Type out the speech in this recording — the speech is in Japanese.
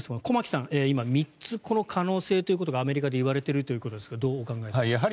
駒木さん、今３つこの可能性ということがアメリカでいわれているということですがどうお考えですか。